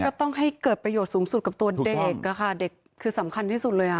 ก็ต้องให้เกิดประโยชน์สูงสุดกับตัวเด็กอะค่ะเด็กคือสำคัญที่สุดเลยอ่ะ